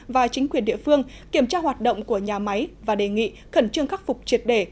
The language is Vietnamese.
và chính quyền địa phương kiểm tra hoạt động của nhà máy và đề nghị khẩn trương khắc phục triệt đề